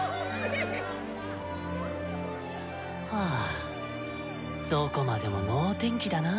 はぁどこまでも能天気だな。